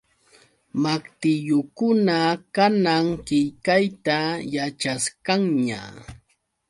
Maqtillukuna kanan qillqayta yaćhasqanña.